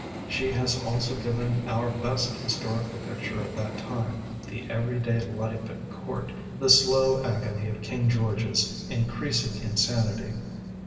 She has also given our best historical picture of that time; the every day life at court, the slow agony of King George's increasing insanity.